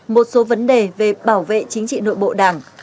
một số vấn đề về bảo vệ chính trị nội bộ đảng